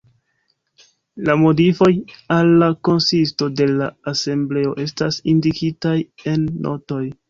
La modifoj al la konsisto de la Asembleo estas indikitaj en notoj.